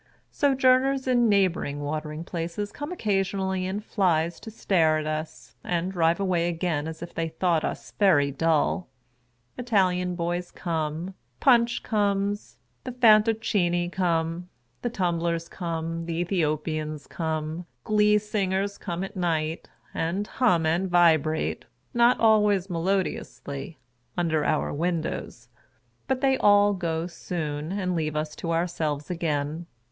Sojourners in neighbouring watering places come occasionally in flies to stare at us, and drive away again as if they thought us very dull ; Italian boys come, Punch comes, the Fantoccini come, the Tum blers come, the Ethiopians come; Glee singers come at night, and hum and vibrate (not always melodiously) under our windows. But they all go soon, and leave us to ourselves again.